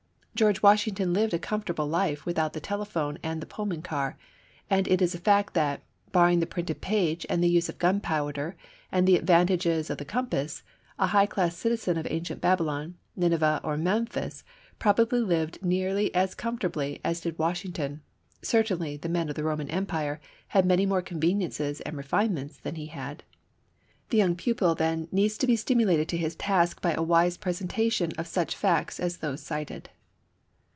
George Washington lived a comfortable life without the telephone and the Pullman car. And it is a fact that, barring the printed page and the use of gunpowder and the advantages of the compass, a high class Citizen of ancient Babylon, Nineveh or Memphis, probably lived nearly as comfortably as did Washington; certainly the men of the Roman Empire had many more conveniences and refinements than he had. The young pupil, then, needs to be stimulated to his task by a wise presentation of such facts as those cited.